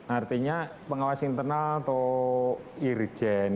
artinya pengawas internal itu urgent